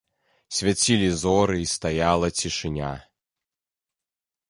Свяцілі зоры, і стаяла цішыня.